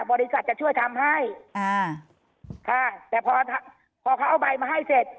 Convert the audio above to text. บริษัทจะช่วยทำให้อ่าค่ะแต่พอพอเขาเอาใบมาให้เสร็จ